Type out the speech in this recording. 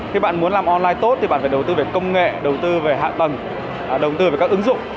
khi bạn muốn làm online tốt thì bạn phải đầu tư về công nghệ đầu tư về hạ tầng đầu tư về các ứng dụng